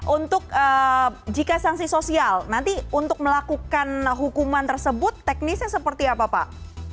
untuk jika sanksi sosial nanti untuk melakukan hukuman tersebut teknisnya seperti apa pak